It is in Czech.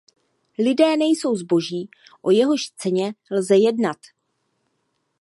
Lidé nejsou zboží, o jehož ceně lze jednat.